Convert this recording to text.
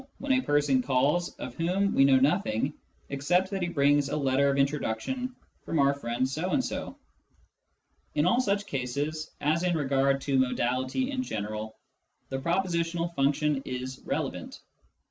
when a person calls of whom we know nothing except that he brings a letter of introduction from our friend so and so. In all such 1 66 Introduction to Mathematical Philosophy cases, as in regard to modality in general, the propositional function is relevant.